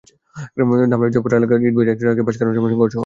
ধামরাইয়ের জয়পুরা এলাকায় ইটবোঝাই একটি ট্রাককে পাশ কাটানোর সময় সংঘর্ষ হয়।